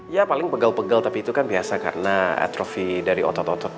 ya paling pegel pegel tapi itu kan biasa karena atrofi dari otot otot